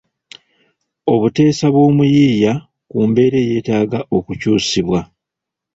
Obuteesa bw’omuyiiya ku mbeera eyeetaaga okukyusibwa